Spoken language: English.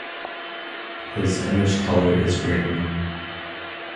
His image color is green.